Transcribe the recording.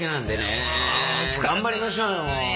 頑張りましょうよ。